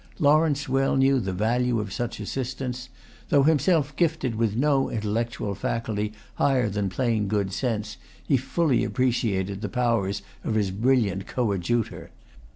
Lawrence well knew the value of such assistance. Though himself gifted with no intellectual faculty higher than plain good sense, he fully appreciated the powers of his brilliant coadjutor.